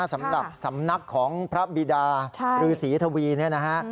สำหรับสำนักของพระบิดารือศรีทวีเนี่ยนะฮะ